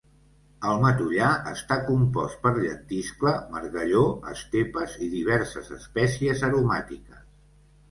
El matollar està compost per llentiscle, margalló, estepes i diverses espècies aromàtiques.